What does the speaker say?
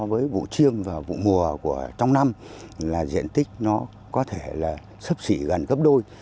là so với vụ chiêng và vụ mùa của trong năm là diện tích nó có thể là sấp xỉ gần cấp đôi